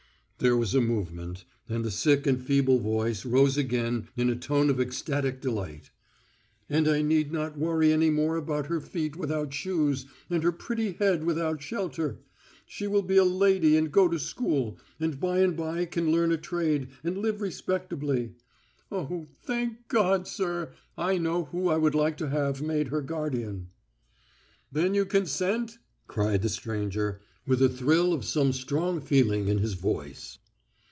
There was a movement, and the sick and feeble voice rose again in a tone of ecstatic delight. "And I need not worry any more about her feet without shoes and her pretty head without shelter. She will be a lady and go to school, and by and by can learn a trade and live respectably. Oh, thank God, sir! I know who I would like to have made her guardian." "Then you consent?" cried the stranger, with a thrill of some strong feeling in his voice.